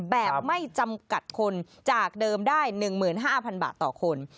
แบบไม่จำกัดคนจากเดิมได้๑๕๐๐บาทต่อคน